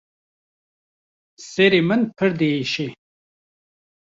Serê min pir diêşe.